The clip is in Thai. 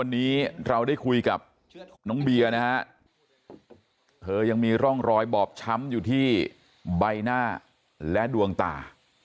น้องเบียนะฮะเธอยังมีร่องรอยบอบช้ำอยู่ที่ใบหน้าและดวงตา